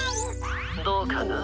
☎どうかな？